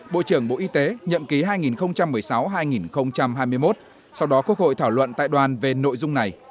bộ trưởng bộ y tế nhậm ký hai nghìn một mươi sáu hai nghìn hai mươi một sau đó quốc hội thảo luận tại đoàn về nội dung này